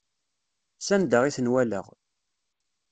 S anda i ten-walaɣ.